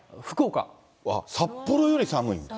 札幌より寒い？